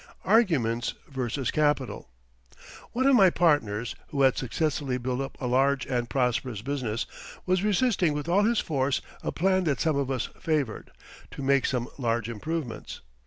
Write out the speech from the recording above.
ARGUMENTS VERSUS CAPITAL One of my partners, who had successfully built up a large and prosperous business, was resisting with all his force a plan that some of us favoured, to make some large improvements.